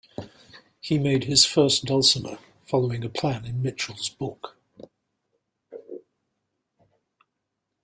He made his first dulcimer following a plan in Mitchell's book.